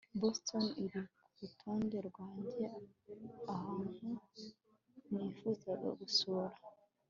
boston iri kurutonde rwanjye ahantu nifuza gusura